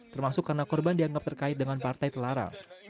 termasuk karena korban dianggap terkait dengan partai telara